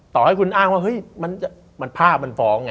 ต่อให้คุณอ้างว่าเฮ้ยมันภาพมันฟ้องไง